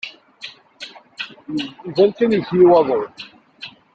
Iban kan iwet-iyi waḍu.